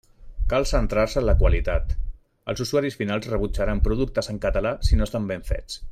Cal centrar-se en la qualitat: els usuaris finals rebutjaran productes en català si no estan ben fets.